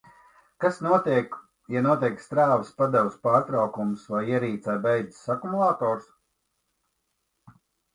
Kas notiek, ja notiek strāvas padeves pārtraukums vai ierīcē beidzas akumulators?